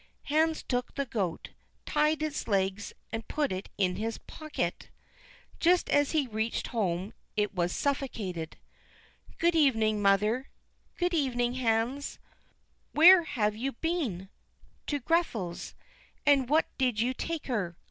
Hans took the goat, tied its legs, and put it in his pocket. Just as he reached home it was suffocated. "Good evening, mother." "Good evening, Hans. Where have you been?" "To Grethel's." "And what did you take to her?"